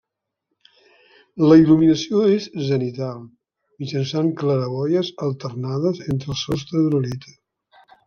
La il·luminació és zenital, mitjançant claraboies alternades entre el sostre d'uralita.